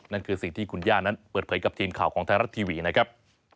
นั่นคือสิ่งที่คุณย่านั้นเปิดเผยกับทีมข่าวของไทยรัฐทีวีนะครับ